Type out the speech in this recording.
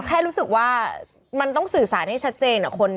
แค่รู้สึกว่ามันต้องสื่อสารให้ชัดเจน